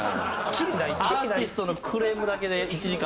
アーティストのクレームだけで１時間。